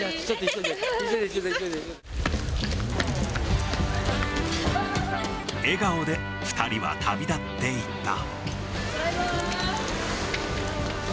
急笑顔で２人は旅立っていった。